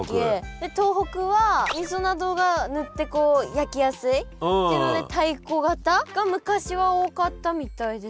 で東北はみそなどが塗って焼きやすいっていうので太鼓型が昔は多かったみたいです。